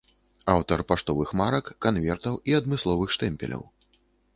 Аўтар паштовых марак, канвертаў і адмысловых штэмпеляў.